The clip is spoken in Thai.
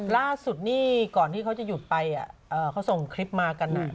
ล่าสุดนี่ก่อนที่เขาจะหยุดไปเขาส่งคลิปมากัน